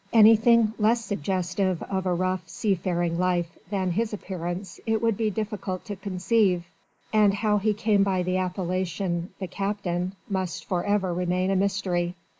Anything less suggestive of a rough sea faring life than his appearance it would be difficult to conceive; and how he came by the appellation "the Captain" must for ever remain a mystery.